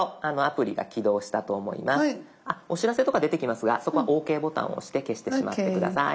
お知らせとか出てきますがそこは「ＯＫ」ボタンを押して消してしまって下さい。